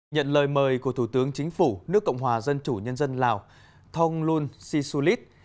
nhận lời mời của thủ tướng chính phủ nước cộng hòa dân chủ nhân dân lào thông luân si su lít